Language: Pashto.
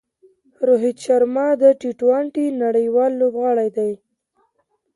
روهیت شرما د ټي ټوئنټي نړۍوال لوبغاړی دئ.